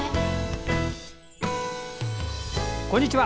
こんにちは。